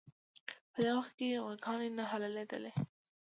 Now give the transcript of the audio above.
په دې وخت کې غواګانې نه حلالېدلې.